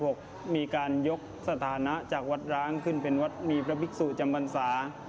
มีการยกสถานะจากวัดร้างขึ้นเป็นวัดมีพระภิกษุจำบรรษา